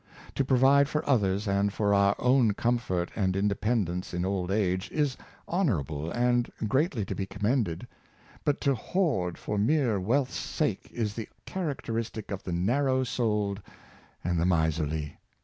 To provide for others and for our own comfort and independence in old age, is honorable and greatly to be commended; but to hoard for mere wealth's sake is the characteris tic of the narrow souled and the miserly.